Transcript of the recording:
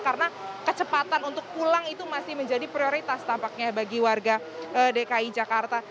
karena kecepatan untuk pulang itu masih menjadi prioritas tampaknya bagi warga dki jakarta